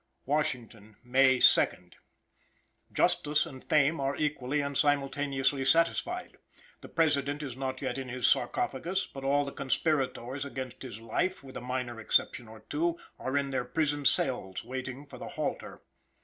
] Washington, May 2. Justice and fame are equally and simultaneously satisfied. The President is not yet in his sarcophagus, but all the conspirators against his life, with a minor exception or two, are in their prison cells waiting for the halter.